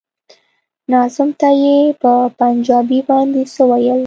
ناظم ته يې په پنجابي باندې څه ويل.